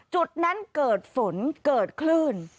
จุดนั้นเกิดฝนเกิดคลื่น